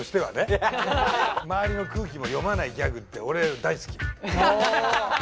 周りの空気も読まないギャグって俺大好き。